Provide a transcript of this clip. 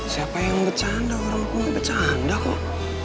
siapa yang bercanda orangku bercanda kok